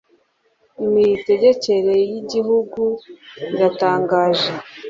Imitegekere y Igihugu iratangaje.